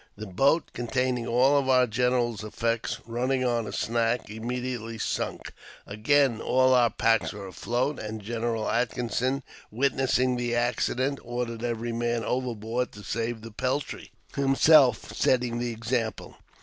The boat containing all our general's effects, running on a snag, immediately sunk. Again all our packs were afloat, and General Atkinson, witnessing the accident, ordered every man overboard to save the peltry, himself setting the example.